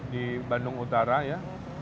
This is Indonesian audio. di bandung utara ya